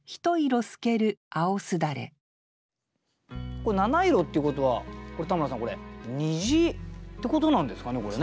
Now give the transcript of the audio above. これ「七色」っていうことは田村さんこれ虹ってことなんですかねこれね。